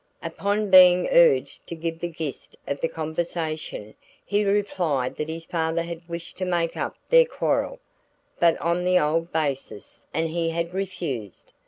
Upon being urged to give the gist of the conversation he replied that his father had wished to make up their quarrel, but on the old basis, and he had refused.